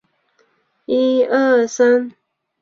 汉高祖刘邦曾在秦时担任泗水亭亭长。